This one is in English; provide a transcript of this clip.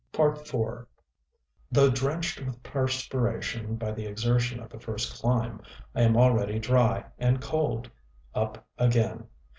IV Though drenched with perspiration by the exertion of the first climb, I am already dry, and cold.... Up again....